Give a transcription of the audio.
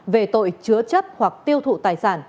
về tội chứa chấp hoặc tiêu thụ tài sản